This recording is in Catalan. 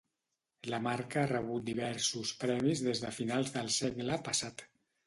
La marca ha rebut diversos premis des de finals del segle passat.